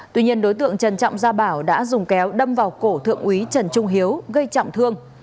tuy nhiên đối tượng trần trọng gia bảo đã dùng kéo đâm vào cổ thượng úy trần trung hiếu gây trọng thương